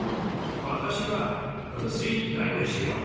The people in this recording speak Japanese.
私は「噴水にダイブしよう。